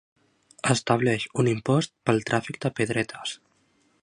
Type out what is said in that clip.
Estableix un impost pel tràfic de pedretes.